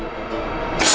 nih ini udah gampang